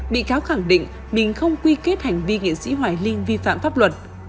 bị cáo khẳng định mình không quy kết hành vi nghệ sĩ hoài linh vi phạm pháp luật